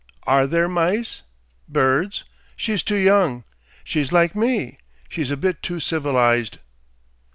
ARE there mice?... Birds?... She's too young.... She's like me; she's a bit too civilised."